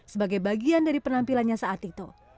sebagai bagian dari penampilannya saat tito